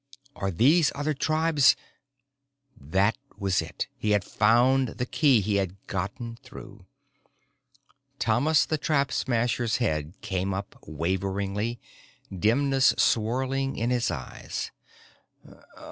Are these other tribes " That was it. He had found the key. He had gotten through. Thomas the Trap Smasher's head came up waveringly, dimness swirling in his eyes.